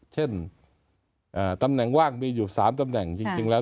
เช่นตำแหน่งว่างมีอยู่๓ตำแหน่งจริงแล้ว